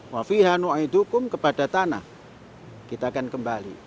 wafihanu aidukum kepada tanah kita akan kembali